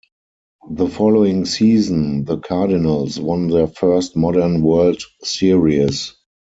The following season, the Cardinals won their first modern World Series.